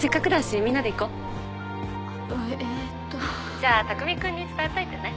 ☎じゃあ匠君に伝えといてね。